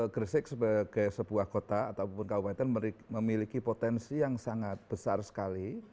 gresik sebagai sebuah kota ataupun kabupaten memiliki potensi yang sangat besar sekali